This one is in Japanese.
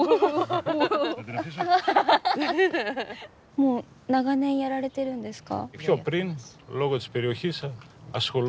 もう長年やられてるんですか？